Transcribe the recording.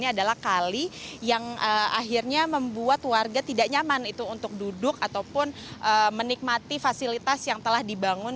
ini adalah kali yang akhirnya membuat warga tidak nyaman itu untuk duduk ataupun menikmati fasilitas yang telah dibangun